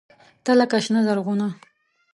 تۀ لکه “شنه زرغونه”